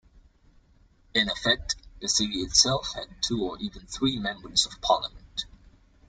In effect, the city itself had two or even three Members of Parliament.